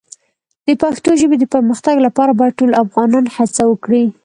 د پښتو ژبې د پرمختګ لپاره باید ټول افغانان هڅه وکړي.